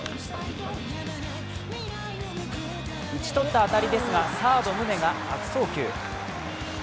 打ち取った当たりですがサード・宗が悪送球。